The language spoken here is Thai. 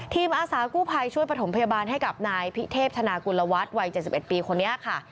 อาสากู้ภัยช่วยประถมพยาบาลให้กับนายพิเทพธนากุลวัฒน์วัย๗๑ปีคนนี้ค่ะ